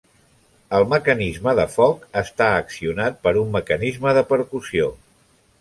El mecanisme de foc està accionat per un mecanisme de percussió.